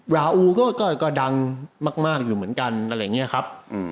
ราอูก็ยังก็ดังมากอยู่เหมือนกันอะไรเงี้ยครับ